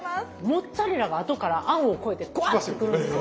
モッツァレラがあとからあんをこえてグアッとくるんですよ。